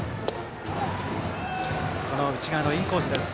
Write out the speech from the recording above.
内側のインコースです。